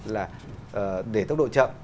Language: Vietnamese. là để tốc độ chậm